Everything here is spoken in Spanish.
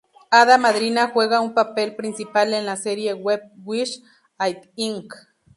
Hada Madrina juega un papel principal en la serie web Wish It Inc.